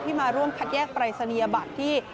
มาร่วมคัดแยกปรายศนียบัตรที่